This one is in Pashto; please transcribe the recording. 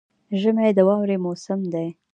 ژمی د واورې موسم دی